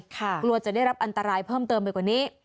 กลัวจะได้รับอันตรายเพิ่มเติมไปกว่านี้